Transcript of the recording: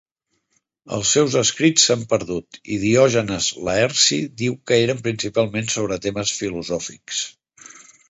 Els seus escrits s'han perdut i Diògenes Laerci diu que eren principalment sobre temes filosòfics.